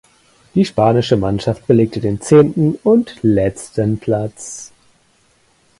Die spanische Mannschaft belegte den zehnten und letzten Platz.